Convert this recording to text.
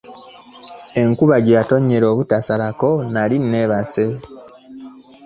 Enkuba we yatonnyera obutasalako nnali nneebase.